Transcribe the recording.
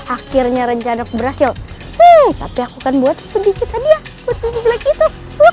akhirnya rencana ke medio hotep empat puluh tujuh adventure tadi ya untuk memilih itu